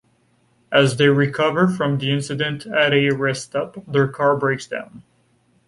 As they recover from the incident at a rest stop, their car breaks down.